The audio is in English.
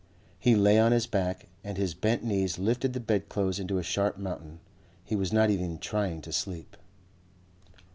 He lay on his back and his bent knees lifted the bed clothes into a sharp mountain. He was not even trying to sleep.